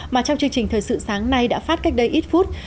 mà trong chương trình thời sự sáng nay đã phát cách đây ít phút